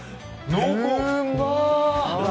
濃厚。